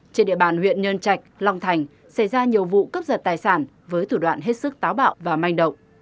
trên địa bàn huyện nhân trạch long thành xảy ra nhiều vụ cấp giật tài sản với thủ đoạn hết sức táo bạo và manh động